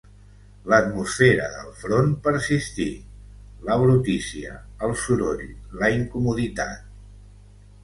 L'atmosfera del front persistí; la brutícia, el soroll, la incomoditat